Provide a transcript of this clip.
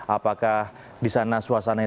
apakah di sana suasana indonesia